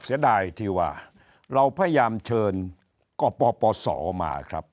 เสียดายที่ว่าเราพยายามเชิญกปปศมาครับ